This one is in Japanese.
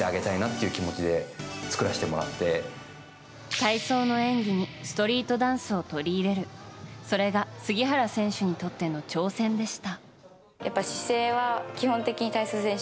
体操の演技にストリートダンスを取り入れるそれが、杉原選手にとっての挑戦でした。